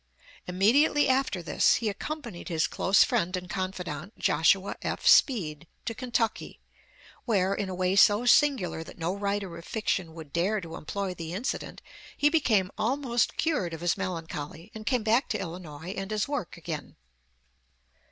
Immediately after this, he accompanied his close friend and confidant, Joshua F. Speed, to Kentucky, where, in a way so singular that no writer of fiction would dare to employ the incident, he became almost cured of his melancholy, and came back to Illinois and his work again.